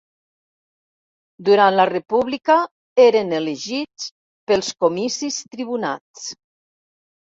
Durant la república eren elegits pels comicis tribunats.